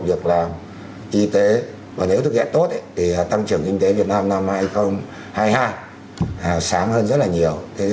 hoặc là y tế và nếu thực hiện tốt thì tăng trưởng kinh tế việt nam năm hai nghìn hai mươi hai sáng hơn rất là nhiều